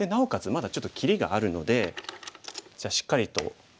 まだちょっと切りがあるのでじゃあしっかりと守っておきますかね